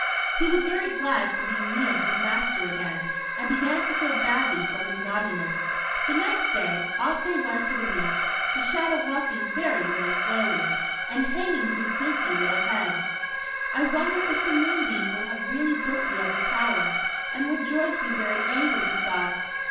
He was very glad to be near his master again, and began to feel badly for his naughtiness. The next day, off they W'Cnt to the beach, the Shadow walking very, very slowly and hanging his guilty little head. " I wonder if the moonbeam will have really built the other tower, and will George be very angry?" he thought.